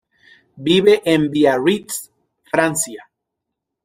Vive en Biarritz, Francia.